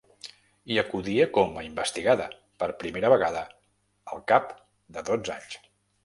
Hi acudia com a investigada, per primera vegada, al cap de dotze anys.